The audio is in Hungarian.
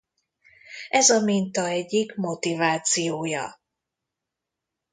Ez a minta egyik motivációja.